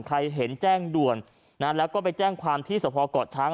ใครเห็นแจ้งด่วนแล้วก็ไปแจ้งความที่เศรษฐอก่อน